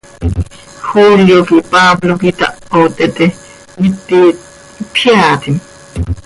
¿Julio quih Pablo quih itaho teete, miti itjeaatim?